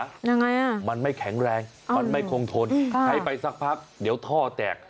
ยังไงอ่ะมันไม่แข็งแรงมันไม่คงทนใช้ไปสักพักเดี๋ยวท่อแตก